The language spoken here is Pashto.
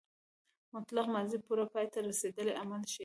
مطلق ماضي پوره پای ته رسېدلی عمل ښيي.